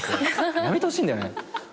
やめてほしいんだよね。